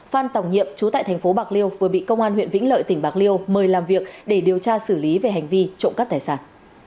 phan tổng nhiệm trú tại thành phố bạc liêu vừa bị công an huyện vĩnh lợi tỉnh bạc liêu mời làm việc để điều tra xử lý về hành vi trộm cắp tài sản